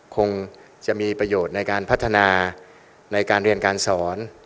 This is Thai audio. คงจะมีประโยชน์ในการพัฒนาในการเรียนการสอน